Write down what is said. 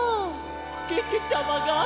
けけちゃまが。